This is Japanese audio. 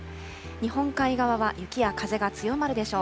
日本海側は雪や風が強まるでしょう。